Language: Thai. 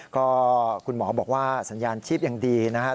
ก็คุณหมอบอกว่าสัญญาณชีพยังดีนะครับ